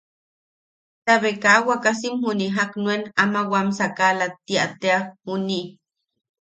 Tabe kaa wakasim juni jak nuen ama wam sakala tia tea junii.